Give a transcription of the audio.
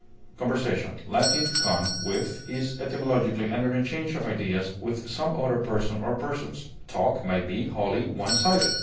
Conversation (Latin con, with) is, etymologically, an interchange of ideas with some other person or persons. Talk may be wholly one sided.